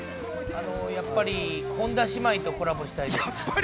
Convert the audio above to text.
やっぱり本田姉妹とコラボしたいです。